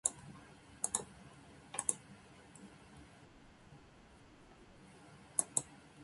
大学生は怠惰だ